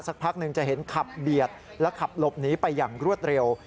สักพักหนึ่งจะเห็นขับเบียดและขับหลบหนีไปอย่างรวดเร็ว